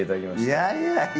いやいやいや！